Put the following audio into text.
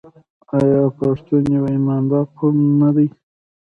آیا پښتون یو ایماندار قوم نه دی؟